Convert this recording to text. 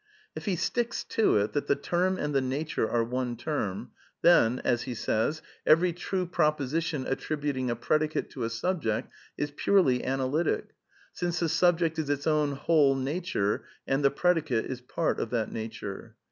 If he sticks to it that the " term '^ and the " nature " are one term, then ''every true proposition attributing a predicate to a subject is purely analytic, since the subject is its own whole nature and the predicate is part of that nature